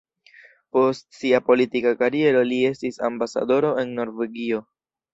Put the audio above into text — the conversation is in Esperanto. Post sia politika kariero li estis ambasadoro en Norvegio.